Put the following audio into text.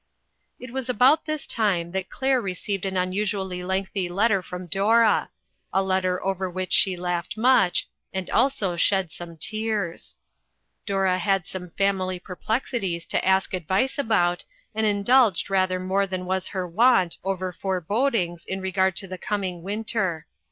It was about this time that Claire re ceived an unusually lengthy letter from Dora; a letter over which she laughed much, and also shed some tears. A FAMILY SECRET. 427 Dora had some family perplexities to ask advice about, and indulged rather more than was her wont over forebodings in regard to the coming winter.